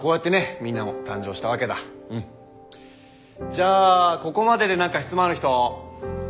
じゃあここまでで何か質問ある人。